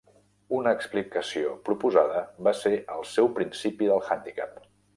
Una explicació proposada va ser el seu principi del handicap.